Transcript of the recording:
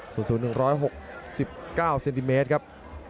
สูตรสูตร๑๖๙เซติเมตรครับ